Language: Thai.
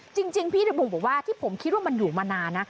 จริงพี่ทะบงบอกว่าที่ผมคิดว่ามันอยู่มานานนะ